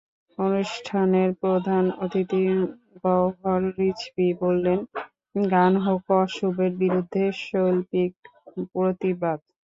অনুষ্ঠানের প্রধান অতিথি গওহর রিজভী বললেন, গান হোক অশুভের বিরুদ্ধে শৈল্পিক প্রতিবাদ।